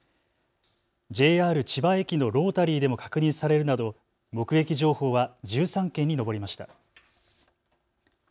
ＪＲ千葉駅のロータリーでも確認されるなど目撃情報は１３件に上りました。